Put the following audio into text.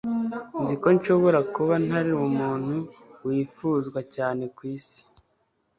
nzi ko nshobora kuba ntari umuntu wifuzwa cyane kwisi